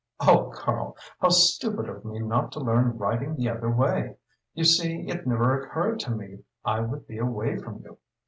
"Oh, Karl how stupid of me not to learn writing the other way! You see it never occurred to me I would be away from you.